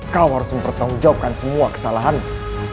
kau harus mempertanggung jawabkan semua kesalahanmu